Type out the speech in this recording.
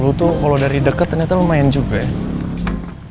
ish lo tuh kalau dari deket ternyata lumayan juga ya